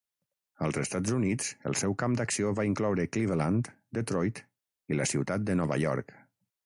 Als Estats Units el seu camp d'acció va incloure Cleveland, Detroit i la Ciutat de Nova York.